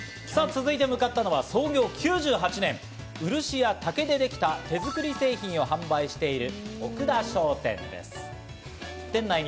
続いて向かったのは創業９８年、漆や竹でできた手づくり製品を販売しているオクダ商店です。